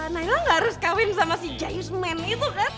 naila ngga harus kawin sama si jayu semen itu kan